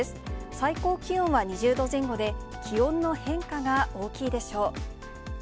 最高気温は２０度前後で、気温の変化が大きいでしょう。